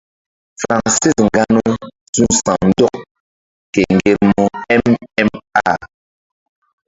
Francis nganou su̧ sa̧w ndɔk ke ŋgermu mma.